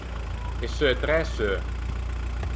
E seu træ seu.